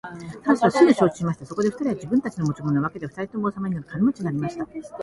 タラスはすぐ承知しました。そこで二人は自分たちの持ち物を分けて二人とも王様になり、お金持になりました。